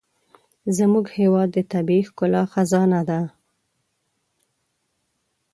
زموږ هېواد د طبیعي ښکلا خزانه ده.